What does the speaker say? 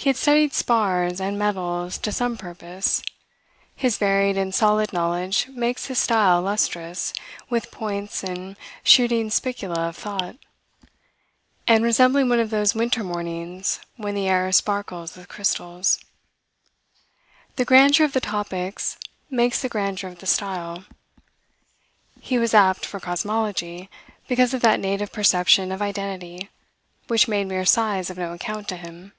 He had studied spars and metals to some purpose. His varied and solid knowledge makes his style lustrous with points and shooting spicula of thought, and resembling one of those winter mornings when the air sparkles with crystals. The grandeur of the topics makes the grandeur of the style. He was apt for cosmology, because of that native perception of identity which made mere size of no account to him.